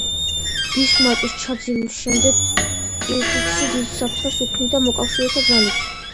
ბისმარკის ჩაძირვის შემდეგ ტირპიცი დიდ საფრთხეს უქმნიდა მოკავშირეთა ძალებს.